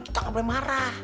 kita ga boleh marah